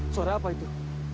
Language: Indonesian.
suara apa itu